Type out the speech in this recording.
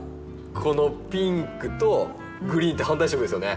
このピンクとグリーンって反対色ですよね。